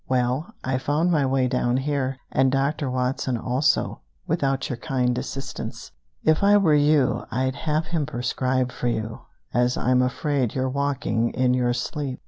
"Well, I found my way down here, and Doctor Watson also, without your kind assistance. If I were you, I'd have him prescribe for you, as I'm afraid you're walking in your sleep!"